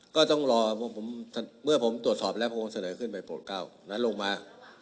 ก็ต้องรอเมื่อผมตรวจสอบแล้วผมเสนอขึ้นไปโปรด๙นั้นลงมา